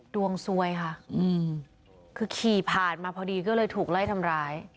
ดวงซวยค่ะคือขี่ผ่านมาพอดีก็เลยถูกไล่ทำร้าย